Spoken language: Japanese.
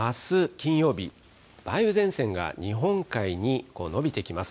金曜日、梅雨前線が日本海に延びてきます。